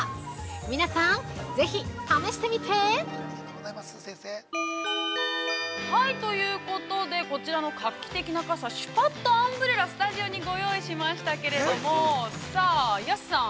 皆さん、ぜひ試してみて◆ということで、こちらの画期的な傘、Ｓｈｕｐａｔｔｏアンブレラ、スタジオにご用意しましたけれども、さあ、安さん。